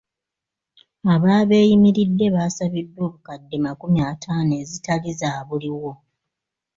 Ababeeyimiridde baasabiddwa obukadde makumi ataano ezitali zaabuliwo.